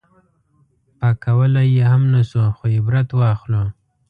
پاک کولی یې هم نه شو خو عبرت واخلو.